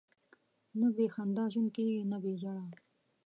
نه بې خندا ژوند کېږي، نه بې ژړا.